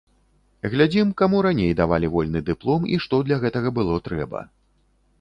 Глядзім, каму раней давалі вольны дыплом і што для гэтага было трэба.